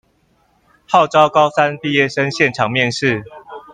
號召高三畢業生現場面試